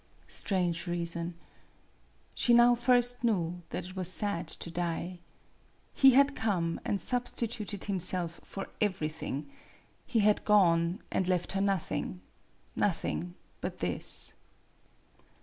Strange reason ! She now first knew that it was sad to die. He had come, and / substituted himself for everything; he had gone, and left her nothing nothing but this.